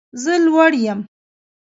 زه لوړ یم